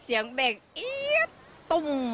เสียงเบรกตุ้ม